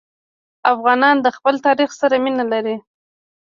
افغانان د خپل تاریخ سره مینه لري.